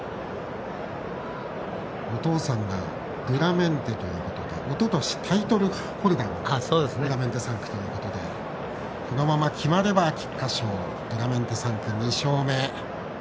お父さんがドゥラメンテということでおととし、タイトルホルダードゥラメンテ産駒ということでこのまま決まれば菊花賞ドゥラメンテ産駒２勝目。